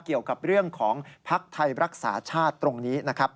เกี่ยวกับเรื่องของภักดิ์ไทยรักษาชาติตรงนี้นะครับ